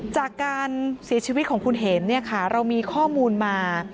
จากการเสียชีวิตของคุณเห็นเรามีข้อมูลมา